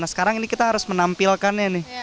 nah sekarang ini kita harus menampilkannya nih